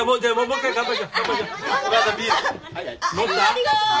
ありがとう。